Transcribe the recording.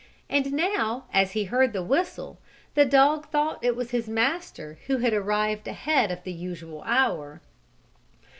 And now, as he heard the whistle, the dog thought it was his master who had arrived ahead of the usual hour.